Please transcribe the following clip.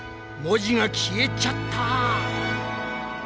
文字が消えちゃった！